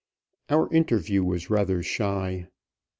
Our interview was rather shy.